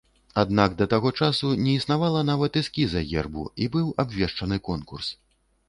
Аднак да таго часу не існавала нават эскіза гербу, і быў абвешчаны конкурс.